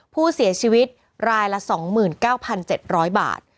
ผู้เสียชีวิตรายละ๒๙๗๐๐บาท